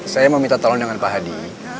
saya mau minta tolong dengan pak hadi